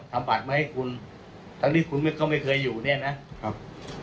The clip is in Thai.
ทำบัตรมาให้คุณทั้งที่คุณก็ไม่เคยอยู่เนี่ยนะครับ